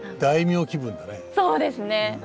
そうですね。